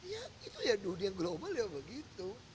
ya itu ya dunia global ya begitu